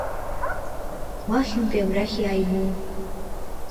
Уахьынтәи абрахь иааигон.